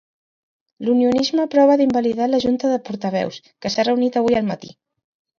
L'unionisme prova d'invalidar la junta de portaveus, que s'ha reunit avui al matí.